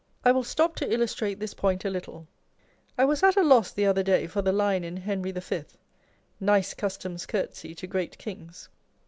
I will stop to illustrate this point a little. I was at a loss the other day for the line in Henry V. â€" Nice customs curtesy to great kings.